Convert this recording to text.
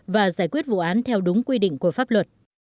và giải quyết vụ án theo đúng quy định của pháp luật